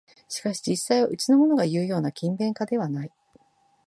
しかし実際はうちのものがいうような勤勉家ではない